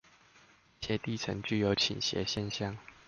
一些地層具有傾斜現象